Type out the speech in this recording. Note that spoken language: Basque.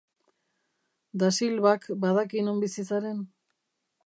Dasilvak badaki non bizi zaren?